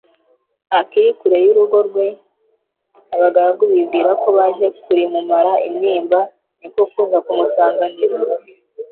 Akiri kure y'urugo rwe, abagaragu bibwira ko baje kLimumara intimba, niko kuza kumusanganira.